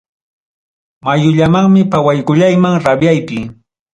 Mayullamanmi pawaykullayman rabiaypi.